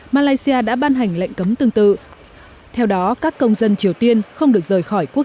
malaysia đã ban hành lệnh cấm tương tự theo đó các công dân triều tiên không được rời khỏi quốc